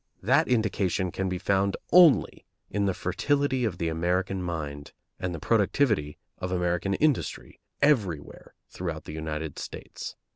That indication can be found only in the fertility of the American mind and the productivity of American industry everywhere throughout the United States.